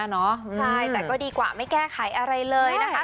ใช่แต่ก็ดีกว่าไม่แก้ไขอะไรเลยนะคะ